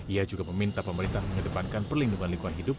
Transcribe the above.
ia juga meminta pemerintah mengedepankan perlindungan lingkungan hidup